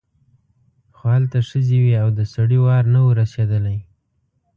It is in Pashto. خو هلته ښځې وې او د سړي وار نه و رسېدلی.